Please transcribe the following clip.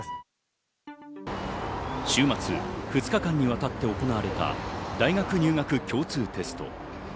週末、２日間にわたって行われた大学入学共通テスト。